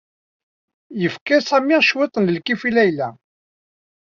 Yefka Sami cwiṭ n lkif i Layla.